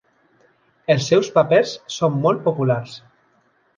Els seus papers són molt populars.